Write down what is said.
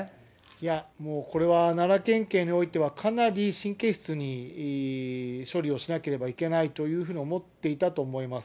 いや、もうこれは奈良県警においては、かなり神経質に処理をしなければいけないというふうに思っていたと思います。